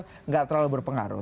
tidak terlalu berpengaruh